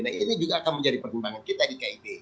nah ini juga akan menjadi pertimbangan kita di kib